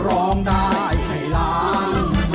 ร้องได้ให้ล้าน